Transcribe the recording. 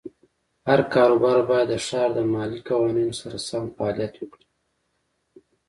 هر کاروبار باید د ښار د مالیې قوانینو سره سم فعالیت وکړي.